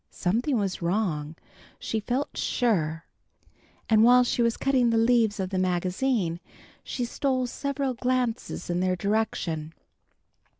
Something was wrong, she felt sure, and while she was cutting the leaves of the magazine, she stole several glances in their direction.